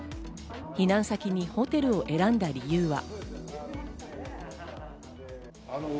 避難先にホテルを選んだ理由は。